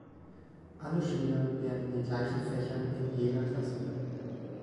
Alle Schüler lernen die gleichen Fächer in jeder Klasse.